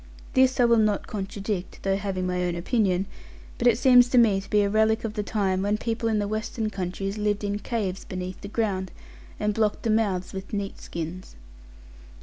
This I will not contradict, though having my own opinion; but it seems to me to be a relic of the time when people in the western countries lived in caves beneath the ground, and blocked the mouths with neat skins.